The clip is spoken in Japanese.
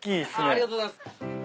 ありがとうございます。